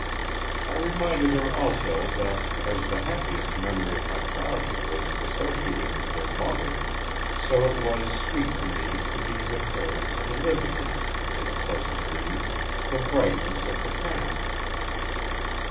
I reminded her also that as the happiest memory of my childhood was associated with her mother, so it was sweet to me to be with her and live again, in a pleasant dream, the brightness of the past.